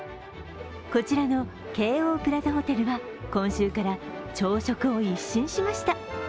こちらの京王プラザホテルは今週から朝食を一新しました。